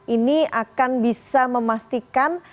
ini akan bisa memastikan